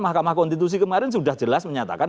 mahkamah konstitusi kemarin sudah jelas menyatakan